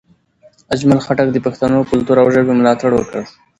اجمل خټک د پښتنو کلتور او ژبې ملاتړ وکړ.